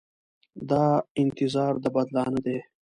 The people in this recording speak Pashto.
دا انتظار د بدلانه دی.